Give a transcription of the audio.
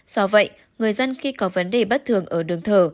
do vậy người dân khi có vấn đề bất thường ở đường thở